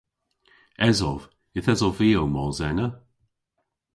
Esov. Yth esov vy ow mos ena.